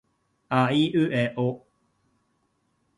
あいうえあ